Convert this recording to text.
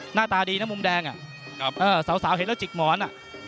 หน้าตาดีนะมุมแดงสาวเห็นแล้วจิกหมอนอ่ะ